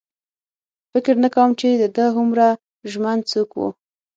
فکر نه کوم چې د ده هومره ژمن څوک و.